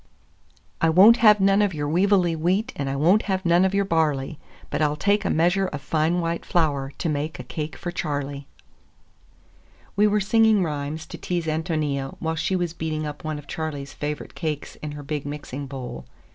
IV "I won't have none of your weevily wheat, and I won't have none of your barley, But I'll take a measure of fine white flour, to make a cake for Charley." WE were singing rhymes to tease Ántonia while she was beating up one of Charley's favorite cakes in her big mixing bowl.